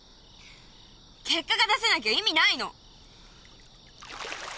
結果が出せなきゃ意味ないの。